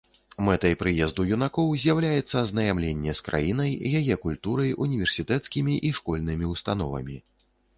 Мэтай прыезду юнакоў з'яўляецца азнаямленне з краінай, яе культурай, універсітэцкімі і школьнымі ўстановамі.